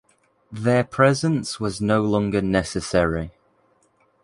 Their presence was no longer necessary.